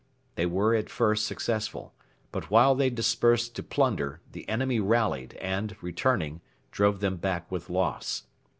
They were at first successful; but while they dispersed to plunder the enemy rallied and, returning, drove them back with loss.